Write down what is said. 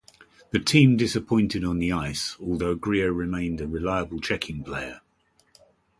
The team disappointed on the ice, although Grier remained a reliable checking player.